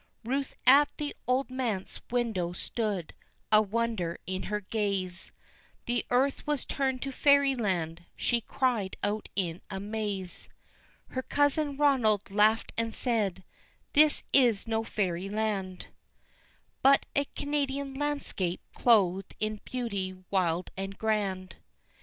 Ruth at the old manse window stood, a wonder in her gaze, "The earth was turned to fairyland" she cried out in amaze! Her cousin Ronald laughed and said, "This is no fairyland, But a Canadian landscape clothed in beauty wild and grand."